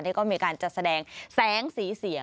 ก็มีการจัดแสดงแสงสีเสียง